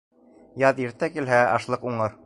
Яҙ иртә килһә, ашлыҡ уңыр.